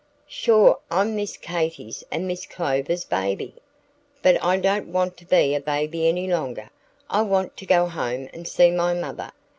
"Sure I'm Miss Katy's and Miss Clover's Baby. But I don't want to be a baby any longer. I want to go home and see my mother."